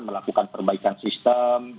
melakukan perbaikan sistem